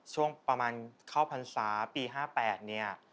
ช่วงประมาณเข้าพรรษาปี๕๘เนี่ย